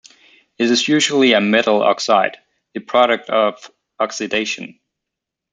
It is usually a metal oxide, the product of oxidation.